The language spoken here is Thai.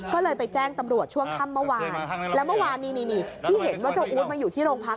ก็เลยไปแจ้งตำรวจช่วงค่ำเมื่อวานแล้วเมื่อวานนี้ที่เห็นว่าเจ้าอู๊ดมาอยู่ที่โรงพัก